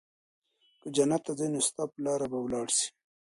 که جنت ته ځي نو ستا په لار به ولاړ سي